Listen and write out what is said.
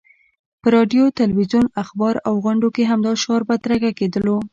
په راډیو، تلویزیون، اخبار او غونډو کې همدا شعار بدرګه کېدلو.